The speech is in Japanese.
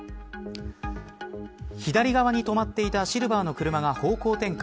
左側に止まっていたシルバーの車が方向転換。